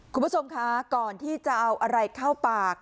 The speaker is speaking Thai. คุณผู้ชมคะก่อนที่จะเอาอะไรเข้าปาก